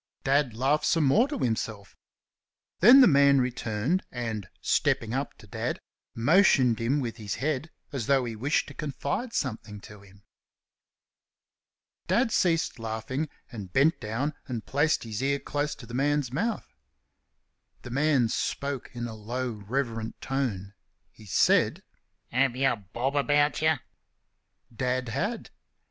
Dad laughed some more to himself. Then the man returned and, stepping up to Dad, motioned him with his head as though he wished to confide something to him. Dad ceased laughing and bent down and placed his ear close to the man's mouth. The man spoke in a low, reverent tone. He said: "Have y'a bob about y'?" Dad had.